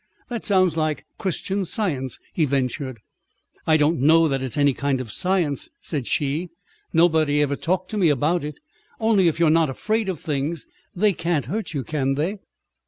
"That sounds like Christian Science," he ventured. "I don't know that it's any kind of science," said she. "Nobody ever talked to me about it. Only if you're not afraid of things, they can't hurt you, can they?"